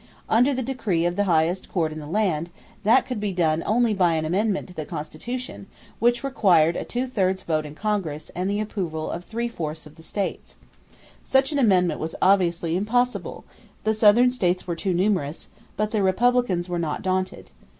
Under the decree of the highest court in the land, that could be done only by an amendment to the Constitution which required a two thirds vote in Congress and the approval of three fourths of the states. Such an amendment was obviously impossible the Southern states were too numerous; but the Republicans were not daunted.